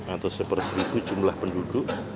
atau seper seribu jumlah penduduk